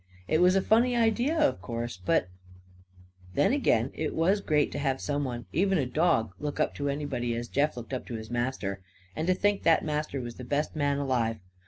It was a funny idea, of course, but Then again it was great to have someone, even a dog, look up to anybody as Jeff looked up to his master; and to think that master was the best man alive.